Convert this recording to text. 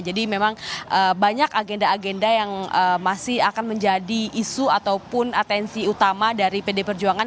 jadi memang banyak agenda agenda yang masih akan menjadi isu ataupun atensi utama dari pdi perjuangan